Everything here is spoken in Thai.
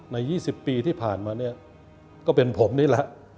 ๒๐ปีที่ผ่านมาเนี่ยก็เป็นผมนี่แหละ